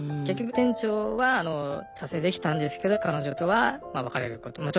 結局店長は達成できたんですけど彼女とは別れること。